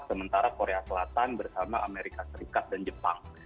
sementara korea selatan bersama amerika serikat dan jepang